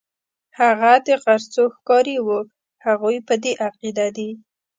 هغه د غرڅو ښکاري وو، هغوی په دې عقیده دي.